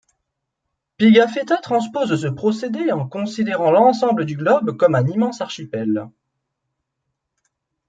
Pigafetta transpose ce procédé en considérant l'ensemble du globe comme un immense archipel.